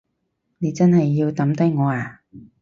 你真係要抌低我呀？